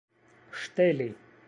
ŝteli